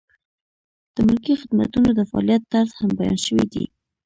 د ملکي خدمتونو د فعالیت طرز هم بیان شوی دی.